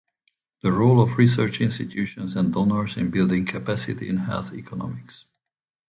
The role of research institutions and donors in building capacity in health economics.